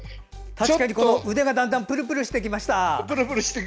確かに腕がだんだんプルプルしてきました。